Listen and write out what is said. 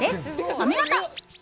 お見事！